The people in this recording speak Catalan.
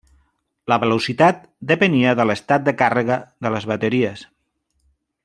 La velocitat depenia de l'estat de càrrega de les bateries.